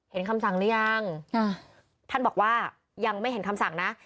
คำสั่งหรือยังท่านบอกว่ายังไม่เห็นคำสั่งนะ